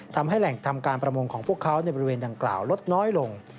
ทำให้แหล่งทำการประมงของพวกเขาในบริเวณดังกล่าวลดน้อยลง